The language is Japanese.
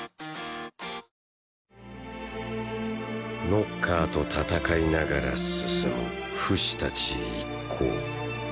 ノッカーと戦いながら進むフシたち一行。